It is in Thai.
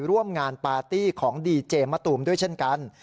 ร่วมงานปาร์ตี้ของดีเจมะตูมด้วยเช่นกัน